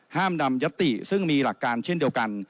ห้ามนำยัตติซึ่งมีหลักการเช่นเดียวกัน